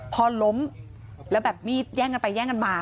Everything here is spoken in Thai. พอล้มแล้วแบบมีดแย่งกันไปแย่งกันมา